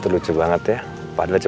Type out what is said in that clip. tanpa orang mencari tahu